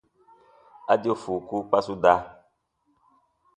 A dio fuuku kpa su da.